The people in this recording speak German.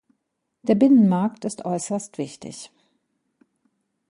Der Binnenmarkt ist äußerst wichtig.